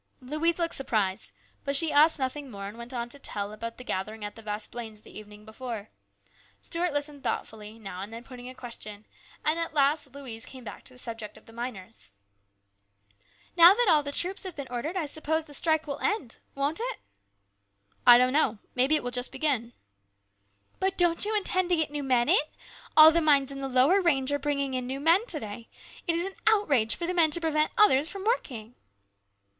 Louise looked surprised, but she asked nothing more, and went on to tell about the gathering at the Vasplaines' the evening before. Stuart listened thoughtfully, now and then putting a question, and at last Louise came back to the subject of the miners. " Now that troops have been ordered, I suppose the strike will end, won't it ?" 102 HIS BROTHER'S KEEPER. " I don't know. Maybe it will just begin." " But don't you intend to get new men in ? All the mines in the lower range are bringing in new men to day. It is an outrage for the men to prevent others from working